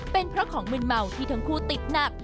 เป็นเพราะของมืนเมาที่ทั้งคู่ติดหนัก